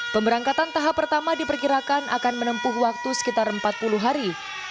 pemberangkatan tahap pertama diperkirakan akan menempuh waktu sekitar empat puluh hari